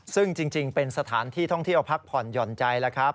ซึ่งจริงเป็นสถานที่ท่องเที่ยวพักผ่อนหย่อนใจแล้วครับ